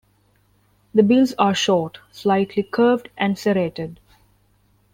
The bills are short, slightly curved and serrated.